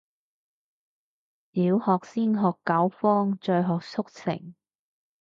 小學先學九方，再學速成